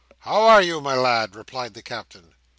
"How are, you, my lad?" replied the Captain.